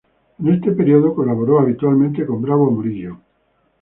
En este periodo colaboró habitualmente con Bravo Murillo.